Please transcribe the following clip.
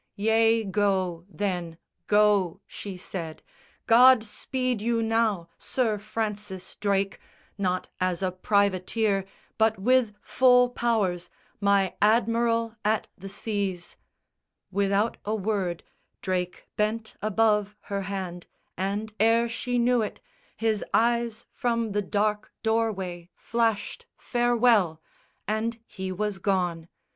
_" "Yea go, then, go," She said, "God speed you now, Sir Francis Drake, Not as a privateer, but with full powers, My Admiral at the Seas!" Without a word Drake bent above her hand and, ere she knew it, His eyes from the dark doorway flashed farewell And he was gone.